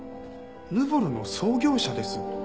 ヌボルの創業者です。